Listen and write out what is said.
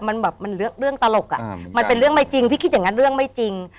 มันแบบมันเรื่องตลกอ่ะมันเป็นเรื่องไม่จริงพี่คิดอย่างนั้นเรื่องไม่จริง